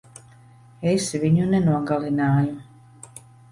Es viņu nenogalināju.